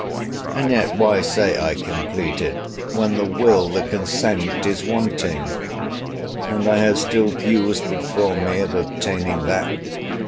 And yet why say I completed? when the will, the consent, is wanting—and I have still views before me of obtaining that?